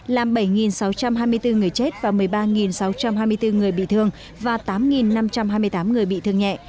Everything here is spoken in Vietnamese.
làm bảy sáu trăm hai mươi bốn người chết và một mươi ba sáu trăm hai mươi bốn người bị thương và tám năm trăm hai mươi tám người bị thương nhẹ